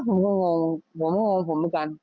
ฮะผมก็หงวงผมหงวงผมเหมือนกัน